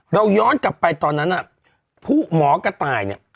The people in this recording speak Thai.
เราย้อนกลับไปตอนนั้นผู้หมอกระต่ายเนี่ย